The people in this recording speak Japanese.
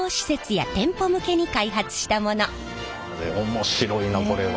面白いなこれは。